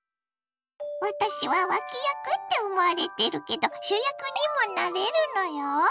「私は脇役って思われてるけど主役にもなれるのよ」。